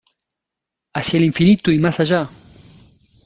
¡ Hacia el infinito y más allá!